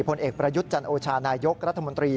ผลเอกประยุทธ์จันโอชานายกรัฐมนตรี